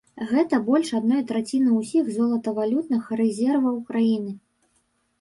Гэта больш адной траціны ўсіх золатавалютных рэзерваў краіны.